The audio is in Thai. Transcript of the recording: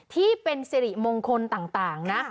ที่เป็นสิริมงคลต่างนะ